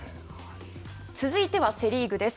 続いてはセ・リーグです。